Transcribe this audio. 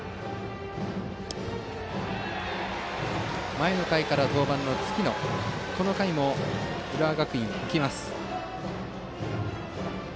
前の回から登板の月野がこの回も行きます。